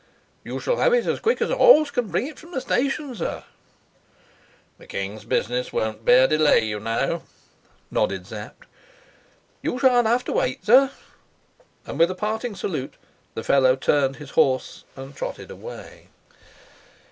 "You shall have it quick as a horse can bring it from the station, sir." "The king's business won't bear delay, you know," nodded Sapt. "You sha'n't have to wait, sir," and, with a parting salute, the fellow turned his horse and trotted away.